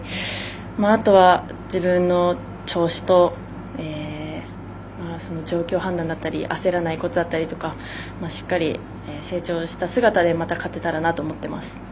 あとは、自分の調子と状況判断だったり焦らないことだったりとかしっかり、成長した姿でまた勝てたらなと思っています。